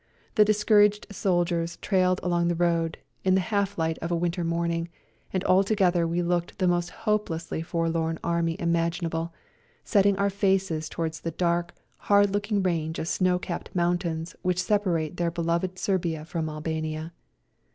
The discouraged soldiers trailed along the road, in the half light of a winter morning, and altogether we looked the most hopelessly forlorn Army imaginable, setting our faces towards the dark, hard looking range of snow capped mountains which separate their beloved Serbia from Albania.